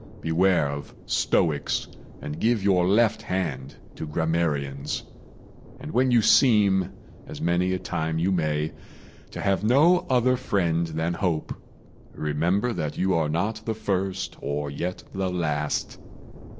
Beware of stoics, And give your left hand to grammarians; And when you seem, as many a time you may, To have no other friend than hope, remember That you are not the first, or yet the last.